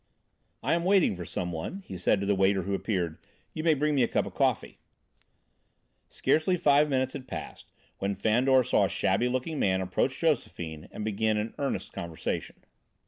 "I am waiting for some one," he said to the waiter who appeared. "You may bring me a cup of coffee." Scarcely five minutes had passed, when Fandor saw a shabby looking man approach Josephine and begin an earnest conversation.